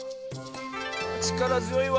ちからづよいわ。